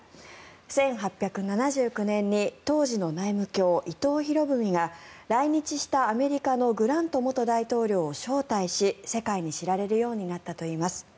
１８７９年に当時の内務卿、伊藤博文が来日したアメリカのグラント元大統領を招待し世界に知られるようになったといいます。